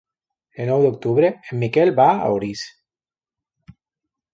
El nou d'octubre en Miquel va a Orís.